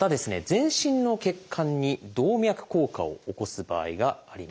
全身の血管に動脈硬化を起こす場合があります。